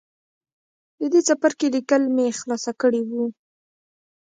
د دې څپرکي ليکل مې خلاص کړي وو